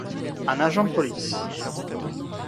Un agent de police.